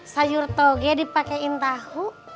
sayur toge dipakein tahu